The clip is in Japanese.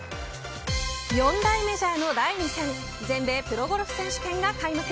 ４大メジャーの第２戦全米プロゴルフ選手権が開幕。